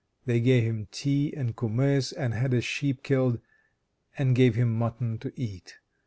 They gave him tea and kumiss, and had a sheep killed, and gave him mutton to eat.